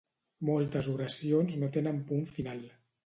Moltes oracions no tenen punt final.